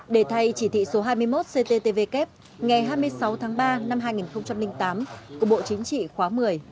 để thay chỉ thị số hai mươi một cttvk ngày hai mươi sáu tháng ba năm hai nghìn tám của bộ chính trị khóa một mươi